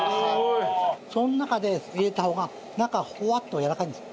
その中で入れた方が中ふわっとやわらかいんです。